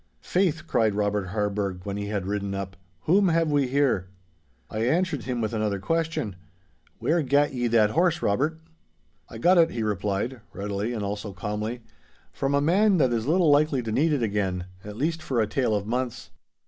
'Faith,' cried Robert Harburgh, when he had ridden up, 'whom have we here?' I answered him with another question. 'Where gat ye that horse, Robert?' 'I got it,' he replied, readily and also calmly, 'from a man that is little likely to need it again, at least for a tale of months.